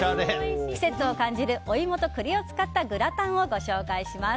季節を感じるお芋と栗を使ったグラタンをご紹介します。